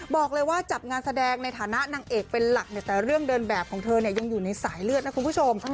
บอกว่าจับงานแสดงในฐานะนางเอกเป็นหลักเนี่ยแต่เรื่องเดินแบบของเธอเนี่ยยังอยู่ในสายเลือดนะคุณผู้ชม